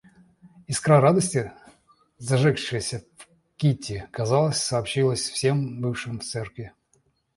Искра радости, зажегшаяся в Кити, казалось, сообщилась всем бывшим в церкви.